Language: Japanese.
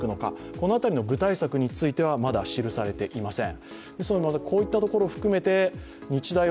この辺りの具体策についてはまだ記されていません。